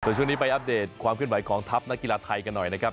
ส่วนช่วงนี้ไปอัปเดตความขึ้นไหวของทัพนักกีฬาไทยกันหน่อยนะครับ